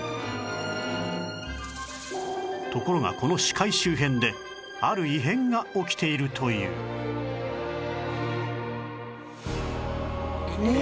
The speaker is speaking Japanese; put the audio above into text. ところがこの死海周辺である異変が起きているといううわ！